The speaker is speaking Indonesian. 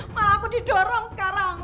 malah aku didorong sekarang